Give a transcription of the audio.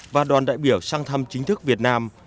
và đoàn đại biểu sang thăm chính thức việt nam